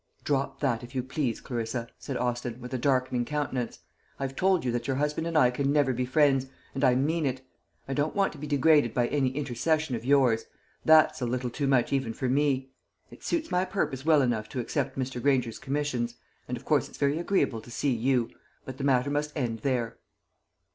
"Drop that, if you please, Clarissa," said Austin, with a darkening countenance. "I have told you that your husband and I can never be friends, and I mean it. I don't want to be degraded by any intercession of yours. That's a little too much even for me. It suits my purpose well enough to accept Mr. Granger's commissions; and of course it's very agreeable to see you; but the matter must end there."